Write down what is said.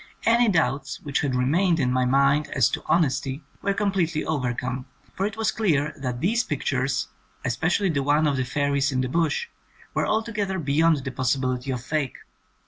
Any doubts which had remained in my mind as to honesty were completely overcome, for it was clear that these pictures, specially the one of the fairies in the bush, were altogether beyond the pos sibility of fake.